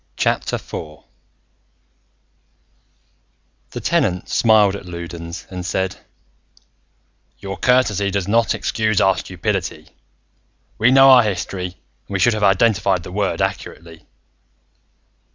IV The Tenant smiled at Loudons and said, "Your courtesy does not excuse our stupidity. We know our history and we should have identified the word accurately.